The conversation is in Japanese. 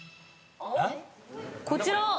こちら。